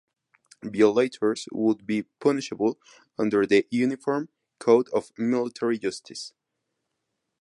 Violators would be punishable under the Uniform Code of Military Justice.